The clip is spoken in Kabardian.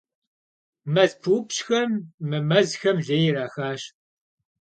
МэзпыупщӀхэм мы мэзхэм лей ирахащ.